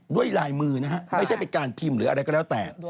ด้วยลายมือนะฮะไม่ใช่เป็นการพิมพ์หรืออะไรก็แล้วแต่